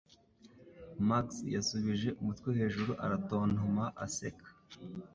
Max yasubije umutwe hejuru aratontoma aseka